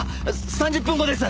３０分後です。